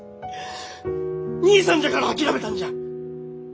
兄さんじゃから諦めたんじゃ。